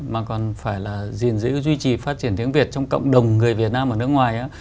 mà còn phải là gìn giữ duy trì phát triển tiếng việt trong cộng đồng người việt nam ở nước ngoài á